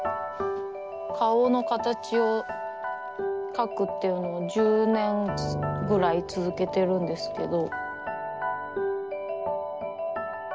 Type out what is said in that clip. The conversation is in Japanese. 顔の形を描くっていうのを１０年ぐらい続けてるんですけど。